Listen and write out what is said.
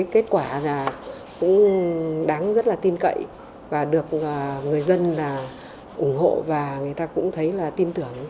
kết quả là cũng đáng rất là tin cậy và được người dân ủng hộ và người ta cũng thấy là tin tưởng